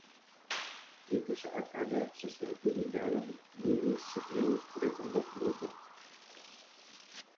Itu saat ada sesuatu di dalam diri Sidney Rittenberg berubah.